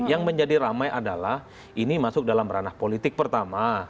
yang menjadi ramai adalah ini masuk dalam ranah politik pertama